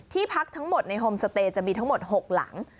พักทั้งหมดในโฮมสเตย์จะมีทั้งหมด๖หลัง